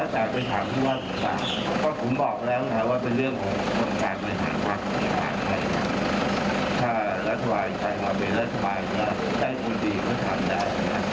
ใช้ความเป็นและทหมากมายของเราแจ้งความดีก็ทำได้